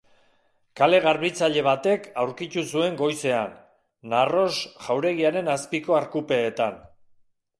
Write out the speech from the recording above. Kale-garbitzaile batek aurkitu zuen goizean, Narros jauregiaren azpiko arkupeetan.